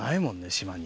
島に。